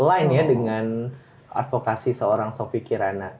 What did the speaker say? align ya dengan advokasi seorang sofi kirana